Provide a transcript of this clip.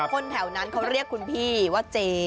คนแถวนั้นเขาเรียกคุณพี่ว่าเจ